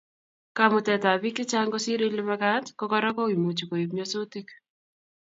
Kamutetab bik chechang kosir Ile magat ko Kora koimuch koib nyasutik